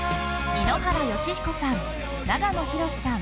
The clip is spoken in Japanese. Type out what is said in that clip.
井ノ原快彦さん、長野博さん